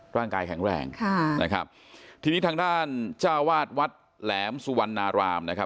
ร่างกายแข็งแรงทีนี้ทางด้านจ้าวาดวัดแหลมสุวรรณราม